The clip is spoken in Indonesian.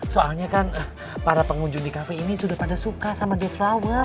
soalnya kan para pengunjung di kafe ini sudah pada suka sama deflower